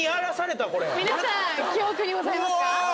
皆さん記憶にございますか？